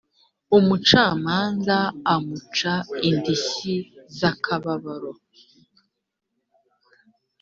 umucamanza amuca indishyi z’akababaro